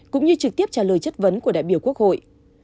cũng như trực tiếp trả lời chất vấn của đại biểu quốc hội